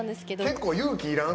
結構勇気いらん？